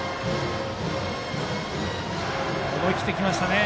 思い切ってきましたね。